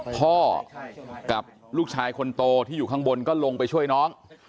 พ่อกับลูกชายคนโตที่อยู่ข้างบนก็ลงไปช่วยน้อง